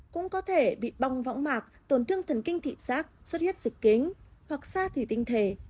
cũng có thể bị bong võng mạc tổn thương thần kinh thị xác suốt huyết dịch kính hoặc xa thủy tinh thể